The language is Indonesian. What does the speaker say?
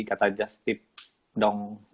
kata just tip dong